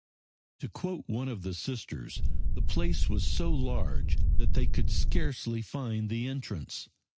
To quote one of the Sisters, the place was so large that "they could scarcely find the entrance."